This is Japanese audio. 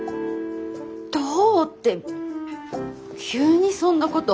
どうって急にそんなこと。